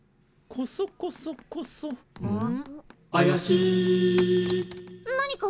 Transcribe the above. コソコソコソん？